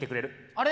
あれ？